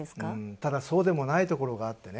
ただ、そうでもないところがあってね